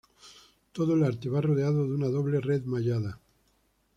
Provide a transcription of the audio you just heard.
Todo el arte va rodeado de una doble red mallada.